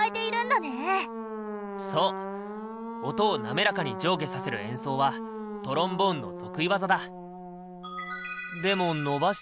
そう音をなめらかに上下させる演奏はトロンボーンの得意技だ。